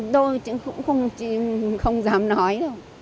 tôi cũng không dám nói đâu